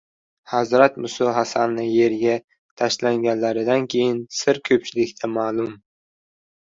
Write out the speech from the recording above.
Hazrat Muso hassani yerga tashlaganlaridan keyingi sir ko‘pchilikka ma’lum: